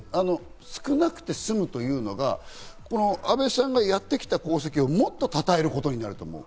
少なくてすむというのが、安倍さんがやってきた功績をもっとたたえることになると思う。